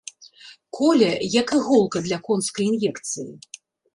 Коле, як іголка для конскай ін'екцыі.